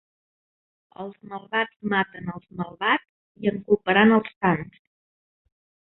Els malvats maten els malvats, i en culparan els sants.